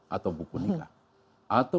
atau buku nikah atau